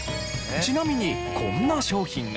ちなみにこんな商品が。